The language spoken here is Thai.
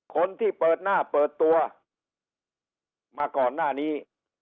คนที่เปิดหน้าเปิดตัวมาก่อนหน้านี้